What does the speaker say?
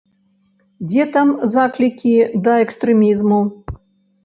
Дзе там заклікі да экстрэмізму?